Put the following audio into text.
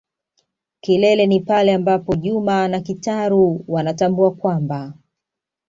kilele ni pale ambapo Juma na Kitaru wanatambua kwamba.